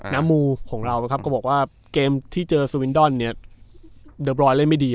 มูของเรานะครับก็บอกว่าเกมที่เจอสวินดอนเนี่ยเดอร์บรอยเล่นไม่ดี